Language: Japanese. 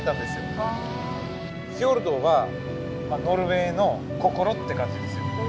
フィヨルドはノルウェーの心って感じですよ。